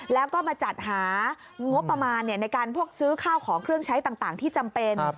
แล้วก็มาจัดหางบประมาณในการพวกซื้อข้าวของเครื่องใช้ต่างที่จำเป็น